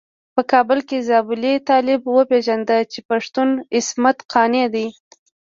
په کابل کې زابلي طالب وپيژانده چې پښتون عصمت قانع دی.